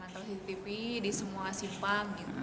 lagi menonton cctv di semua simpang gitu